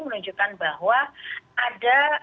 menunjukkan bahwa ada